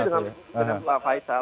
saya setuju dengan pak faisal